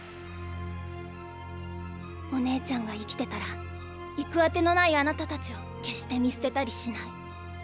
お姉ちゃんが生きてたら行くあての無いあなたたちを決して見捨てたりしない。